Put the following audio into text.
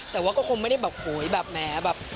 แต่ว่าก็คงไม่ได้แบบโหยแบบแม้แบบ